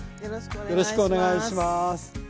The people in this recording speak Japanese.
よろしくお願いします。